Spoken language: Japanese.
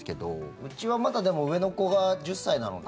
うちはまだ上の子が１０歳なので。